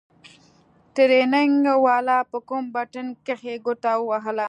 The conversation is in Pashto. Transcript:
ټرېننگ والا په کوم بټن کښې گوته ووهله.